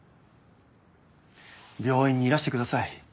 病院にいらしてください。